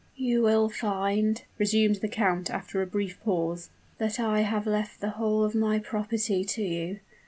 "You will find," resumed the count after a brief pause, "that I have left the whole of my property to you.